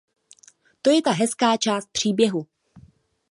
To je ta hezká část příběhu.